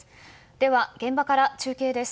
では、現場から中継です。